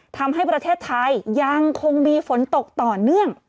ทำให้ประเทศไทยยังคงมีฝนตกต่อเนื่อง